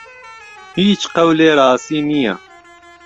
هیچ قهولێ راسی نییه